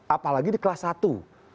apalagi di kelas satu